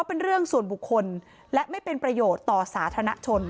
เป็นเรื่องส่วนบุคคลและไม่เป็นประโยชน์ต่อสาธารณชน